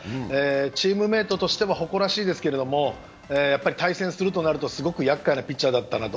チームメートとしても誇らしいですけど対戦するとなるとすごくやっかいなピッチャーだったなと。